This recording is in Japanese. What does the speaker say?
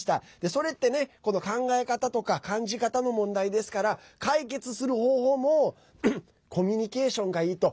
それって、考え方とか感じ方の問題ですから解決する方法もコミュニケーションがいいと。